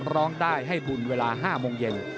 ร้องได้ให้บุญเวลา๕โมงเย็น